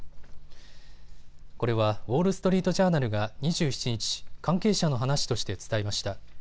これはウォール・ストリート・ジャーナルが２７日、関係者の話として伝えました。